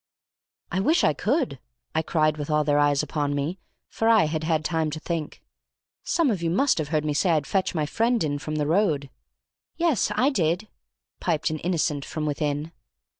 "I wish I could," I cried with all their eyes upon me, for I had had time to think. "Some of you must have heard me say I'd fetch my friend in from the road?" "Yes, I did," piped an innocent from within.